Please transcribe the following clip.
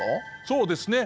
そうですね。